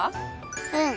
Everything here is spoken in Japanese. うん！